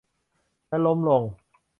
และล้มลง